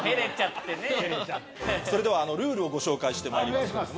それではルールをご紹介してまいります。